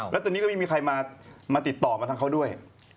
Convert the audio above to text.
แล้วตอนนี้ก็ไม่มีใครมาติดต่อมาทางเขาด้วย